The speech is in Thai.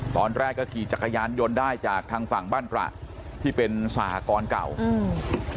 ตอนแรกก็ขี่จักรยานยนต์ได้จากทางฝั่งบ้านตระที่เป็นสหกรณ์เก่าอืม